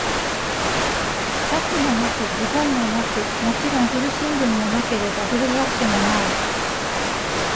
シャツもなく、ズボンもなく、もちろん古新聞もなければ、古雑誌もない。